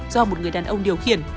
do một người đàn ông điều khiển